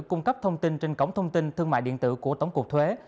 cung cấp thông tin trên cổng thông tin thương mại điện tử của tổng cục thuế